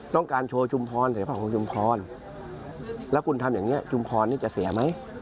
ต้องการโชว์ชุมพรในภาพของชุมพรแล้วคุณทำอย่างนี้ชุมพรนี้จะเสียไหม